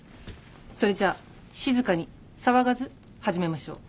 それじゃあ静かに騒がず始めましょう。